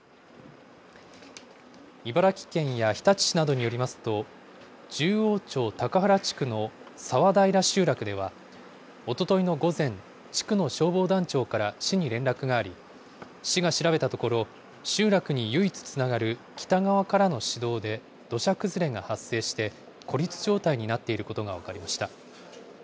茨城県や日立市などによりますと、十王町高原地区の沢平集落では、おとといの午前、地区の消防団長から市に連絡があり、市が調べたところ、集落に唯一つながる北側からの市道で土砂崩れが発生して、孤立状態になっていることが分かりました。